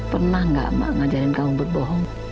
pernah gak mak ngajarin kamu berbohong